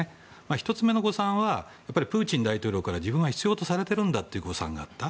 １つ目の誤算はプーチン大統領から自分は必要とされてるんだという誤算があった。